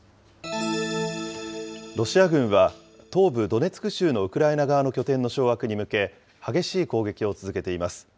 ロシア軍は、東部ドネツク州のウクライナ側の拠点の掌握に向け、激しい攻撃を続けています。